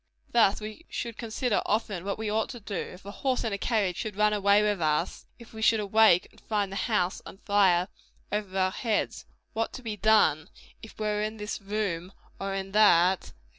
Thus we should consider often what we ought to do, if a horse in a carriage should run away with us; if we should awake and find the house on fire over our heads what to be done, if we were in this room or in that, &c.